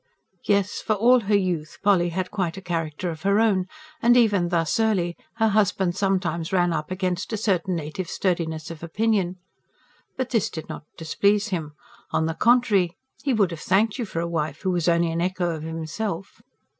Yes, for all her youth, Polly had quite a character of her own; and even thus early her husband sometimes ran up against a certain native sturdiness of opinion. But this did not displease him; on the contrary, he would have thanked you for a wife who was only an echo of himself.